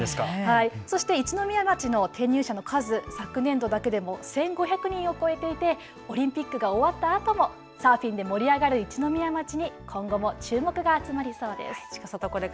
そして一宮町の転入者の数は昨年度だけでも１５００人を超えていてオリンピックが終わったあともサーフィンで盛り上がる一宮町に今後も注目が集まりそうです。